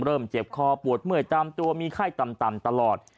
เจ็บคอปวดเมื่อยตามตัวมีไข้ต่ำตลอด